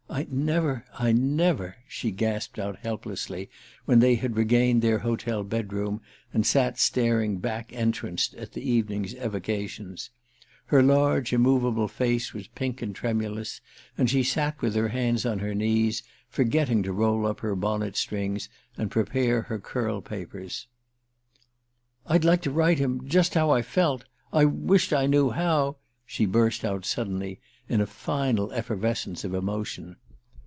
"I never I never " she gasped out helplessly when they had regained their hotel bedroom, and sat staring back entranced at the evening's evocations. Her large immovable face was pink and tremulous, and she sat with her hands on her knees, forgetting to roll up her bonnet strings and prepare her curl papers. "I'd like to write him just how I felt I wisht I knew how!" she burst out suddenly in a final effervescence of emotion.